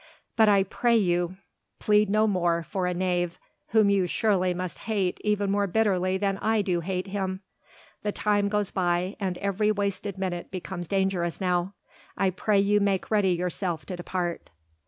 But I pray you, plead no more for a knave whom you surely must hate even more bitterly than I do hate him. The time goes by, and every wasted minute becomes dangerous now. I pray you make yourself ready to depart."